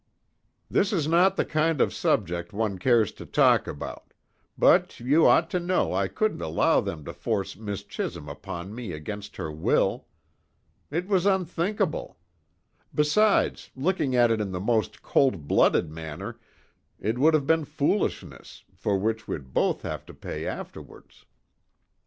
"This is not the kind of subject one cares to talk about; but you ought to know I couldn't allow them to force Miss Chisholm upon me against her will. It was unthinkable! Besides, looking at it in the most cold blooded manner, it would have been foolishness, for which we'd both have to pay afterwards."